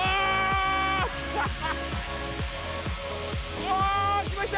うわきました！